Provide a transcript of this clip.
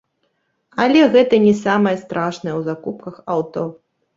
Але гэта не самае страшнае ў закупках аўто.